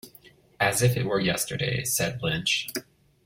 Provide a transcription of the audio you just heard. "As if it were yesterday," said Lynch.